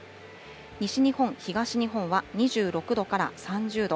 西日本、東日本は２６度から３０度。